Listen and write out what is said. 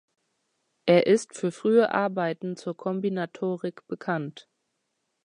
Er ist für frühe Arbeiten zur Kombinatorik bekannt.